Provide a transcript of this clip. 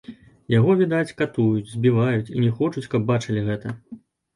Яго, відаць, катуюць, збіваюць і не хочуць, каб бачылі гэта.